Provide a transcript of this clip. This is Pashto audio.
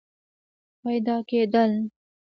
پیدا کېدل